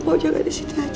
pak juga di situ saja